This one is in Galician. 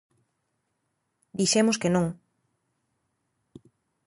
_Dixemos que non.